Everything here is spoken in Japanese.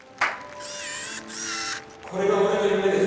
これが俺の夢です。